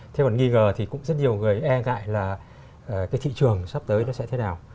thế còn nghi ngờ thì cũng rất nhiều người e ngại là cái thị trường sắp tới nó sẽ thế nào